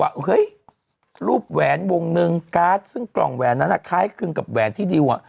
ว่าเฮ้ยรูปแหวนวงหนึ่งการ์ดซึ่งกล่องแหวนนั้นคล้ายคลึงกับแหวนที่ดิว